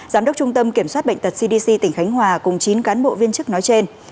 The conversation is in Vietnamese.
giám đốc trung tâm kiểm soát bệnh tật cdc tỉnh khánh hòa cùng chín cán bộ viên chức nói trên